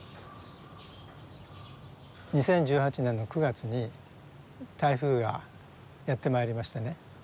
２０１８年の９月に台風がやって参りましてね